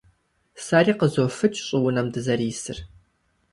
Сэри къызофыкӀ щӀыунэм дызэрисыр.